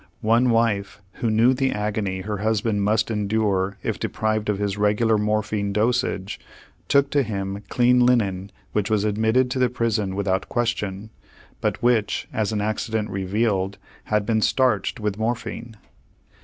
One wife who knew the agony her husband must endure if deprived of his regular morphine dosage took to him clean linen which was admitted to the prison without question, but which, as an accident revealed, had been "starched" with morphine.